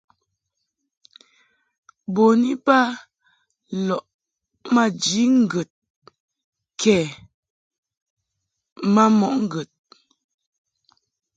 Bun iba lɔʼ maji ŋgəd kɛ ma mɔʼ ŋgəd.